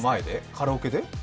カラオケで？